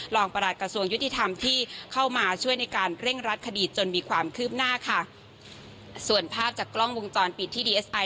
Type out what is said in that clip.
ประหลัดกระทรวงยุติธรรมที่เข้ามาช่วยในการเร่งรัดคดีจนมีความคืบหน้าค่ะส่วนภาพจากกล้องวงจรปิดที่ดีเอสไอ